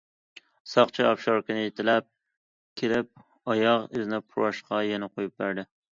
ساقچى ئاپشاركىنى يېتىلەپ كېلىپ ئاياغ ئىزىنى پۇراشقا يەنە قويۇپ بەردى.